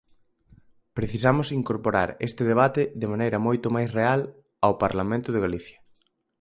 Precisamos incorporar este debate de maneira moito máis real ao Parlamento de Galicia.